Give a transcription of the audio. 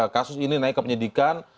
kasus ini naik ke penyidikan